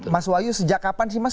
mas wahyu sejak kapan sih mas